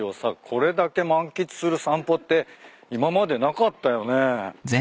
これだけ満喫する散歩って今までなかったよね。